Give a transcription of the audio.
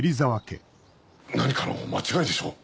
何かの間違いでしょう。